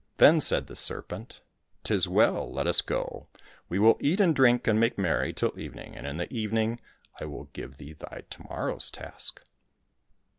Then said the serpent, " 'Tis well, let us go ! We will eat and drink and make merry till evening, and in the evening I will give thee thy to morrow's task."